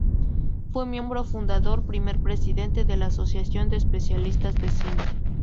Fue miembro fundador y primer presidente de la Asociación de especialistas de cine.